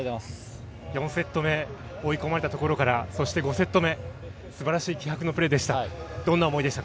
４セット目、追い込まれたところから５セット目、素晴らしい気迫のプレーでした。